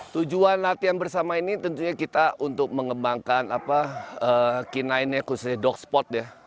tujuan latihan bersama ini tentunya kita untuk mengembangkan kinainya khususnya dog spot ya